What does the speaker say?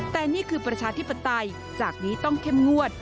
แต่นี่คือประชาธิปไตยจากนี้ต้องเข้มงวด